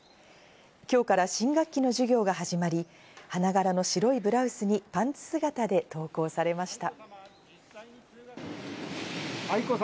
今日から新学期の授業が始まり、花柄の白いブラウスにパンツ姿で登校されました。